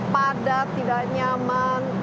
padat tidak nyaman